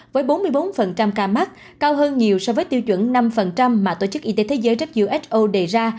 với bốn mươi bốn ca mắc cao hơn nhiều so với tiêu chuẩn năm mà tổ chức y tế thế giới who đề ra